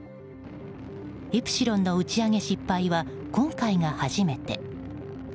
「イプシロン」の打ち上げ失敗は今回が初めて。